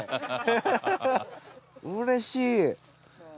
うれしい。